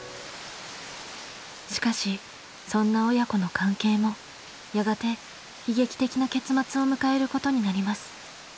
しかしそんな親子の関係もやがて悲劇的な結末を迎えることになります。